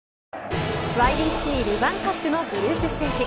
ＹＢＣルヴァンカップのグループステージ。